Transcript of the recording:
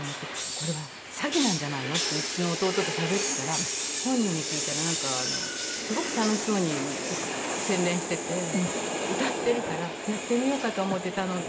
「これは詐欺なんじゃないの？」ってうちの弟としゃべってたら本人に聞いたらなんか「すごく楽しそうに宣伝してて歌ってるからやってみようかと思って頼んだ」